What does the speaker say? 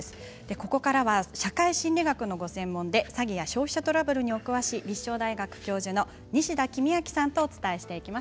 ここからは社会心理学のご専門で詐欺や消費者トラブルに詳しい立正大学教授の西田公昭さんとお伝えしていきます。